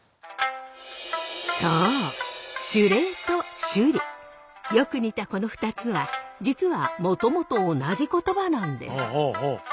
そう守礼と首里よく似たこの２つは実はもともと同じ言葉なんです。